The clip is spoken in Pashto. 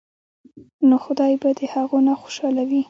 نو خدائے به د هغو نه خوشاله وي ـ